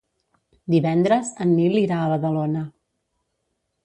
Divendres en Nil irà a Badalona.